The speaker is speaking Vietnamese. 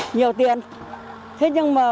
nhiều tiền thế nhưng mà